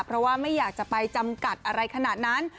เพราะว่าไม่อยากจะไปจำกัดอะไรขนาดนั้น